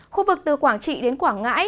khu vực từ quảng trị đến quảng ngãi